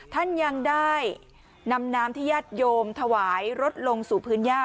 ท่านยังได้นำน้ำที่ญาติโยมถวายรถลงสู่พื้นย่า